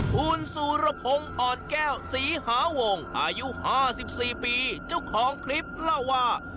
คุณสุรพงศ์อ่อนแก้วศรีหาวงอายุ๕๔ปีเจ้าของคลิปเล่าว่า